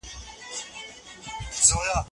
د سولې فرهنګ د خبرو اترو له لارې منځته راځي.